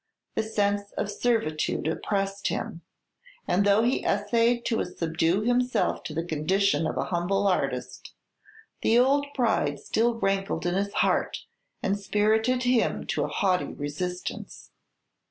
The sense of servitude oppressed him; and though he essayed to subdue himself to the condition of an humble artist, the old pride still rankled in his heart, and spirited him to a haughty resistance.